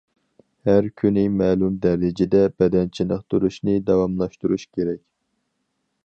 ھەر كۈنى مەلۇم دەرىجىدە بەدەن چېنىقتۇرۇشنى داۋاملاشتۇرۇش كېرەك.